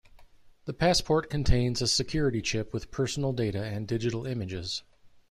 The passport contains a security chip with personal data and digital images.